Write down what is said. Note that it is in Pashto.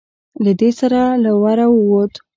له دې سره له وره ووت.